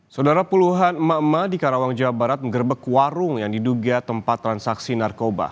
saudara puluhan emak emak di karawang jawa barat menggerbek warung yang diduga tempat transaksi narkoba